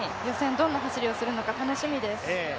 どんな走りをするのか楽しみです。